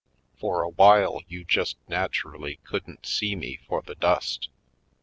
For awhile you just naturally couldn't see me for the dust.